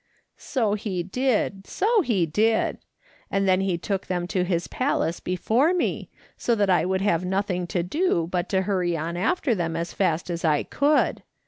" So he did, so he did. And then he took them to his palace before me, so that I would have nothing to do but to hurry on after them as fast as I could.